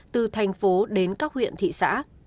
từ thành phố đến các huyện thị xã